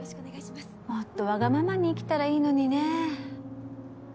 もっとわがままに生きたらいいのにね。